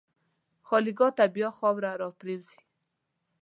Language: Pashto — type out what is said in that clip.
خالیګاه ته بیا خاوره راپرېوځي.